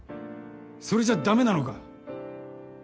それじゃ駄目なのか？